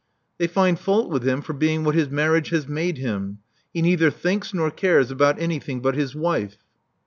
They find fault with him for being what his marriage has made him. He neither thinks nor cares about anything but his wife."